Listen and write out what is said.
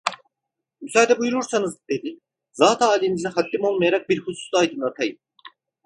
Müsaade buyurursanız dedi, "zatıalinizi haddim olmayarak bir hususta aydınlatayım."